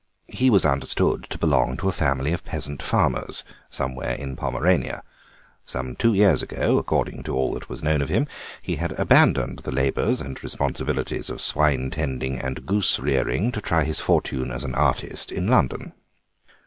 He was understood to belong to a family of peasant farmers, somewhere in Pomerania; some two years ago, according to all that was known of him, he had abandoned the labours and responsibilities of swine tending and goose rearing to try his fortune as an artist in London.